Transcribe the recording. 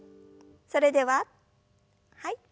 それでははい。